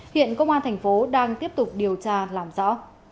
hiện công an thành phố đang tiếp tục điều tra làm rõ